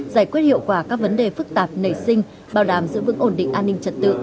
giải quyết hiệu quả các vấn đề phức tạp nảy sinh bảo đảm giữ vững ổn định an ninh trật tự